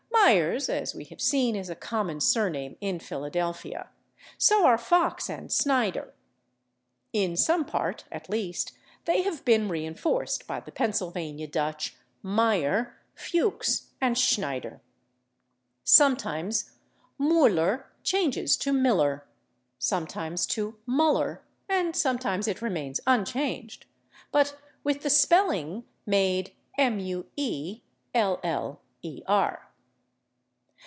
/Myers/, as we have seen, is a common surname in Philadelphia. So are /Fox/ and /Snyder/. In some part, at least, they have been reinforced by the Pennsylvania Dutch /Meyer/, /Fuchs/ and /Schneider/. Sometimes /Müller/ changes to /Miller/, sometimes to /Muller/, and sometimes it remains unchanged, but with the spelling made /Mueller